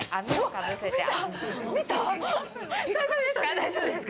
大丈夫ですか？